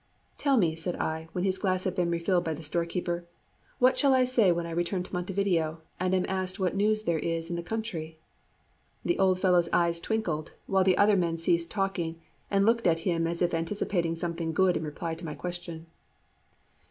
"Tell me," said I, when his glass had been refilled by the storekeeper, "what I shall say when I return to Montevideo, and am asked what news there is in the country?" The old fellow's eyes twinkled, while the other men ceased talking, and looked at him as if anticipating something good in reply to my question.